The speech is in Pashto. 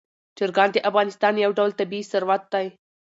چرګان د افغانستان یو ډول طبعي ثروت دی.